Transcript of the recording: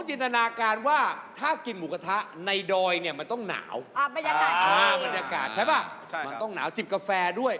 ชอบกินหมูกระทะด้วยชอบกินกาแฟ